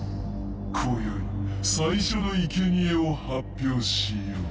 こよい最初のいけにえを発表しよう。